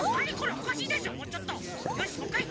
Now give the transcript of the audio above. よしもういっかい。